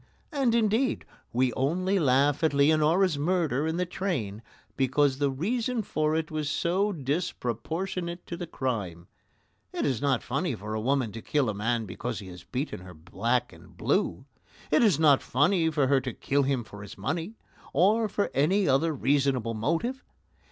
And, indeed, we only laugh at Leonora's murder in the train because the reason for it was so disproportionate to the crime. It is not funny for a woman to kill a man because he has beaten her black and blue. It is not funny for her to kill him for his money, or for any other reasonable motive.